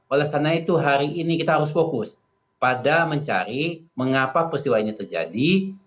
oleh karena itu hari ini kita harus fokus pada mencari mengapa peristiwa ini terjadi